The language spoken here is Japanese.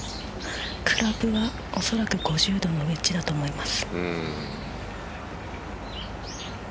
クラブは、おそらく５０度のウェッジだと思います。